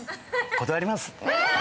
断ります。